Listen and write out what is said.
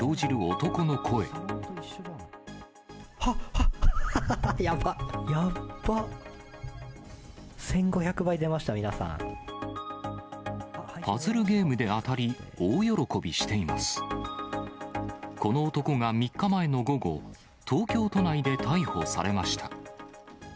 この男が３日前の午後、東京都内で逮捕されました。